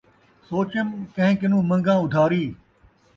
سوچم کہیں کنوں منگاں ادھاری